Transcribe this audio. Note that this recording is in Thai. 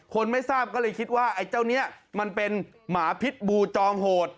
ไม่ทราบก็เลยคิดว่าไอ้เจ้านี้มันเป็นหมาพิษบูจอมโหด